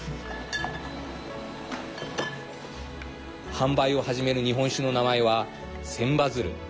販売を始める日本酒の名前は千羽鶴。